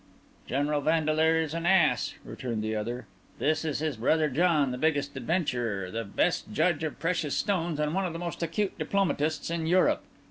"General Vandeleur is an ass!" returned the other. "This is his brother John, the biggest adventurer, the best judge of precious stones, and one of the most acute diplomatists in Europe.